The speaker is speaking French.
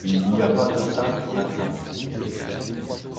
Il n'y a pas de pain sur la table.